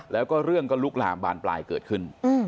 แล้วก็เรื่องก็ลุกลามบานปลายเกิดขึ้น